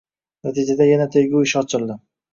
Natijada yana tergov ishi ochildi